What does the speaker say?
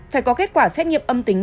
phải có kết quả xét nghiệm âm tính